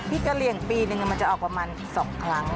กะเหลี่ยงปีนึงมันจะออกประมาณ๒ครั้ง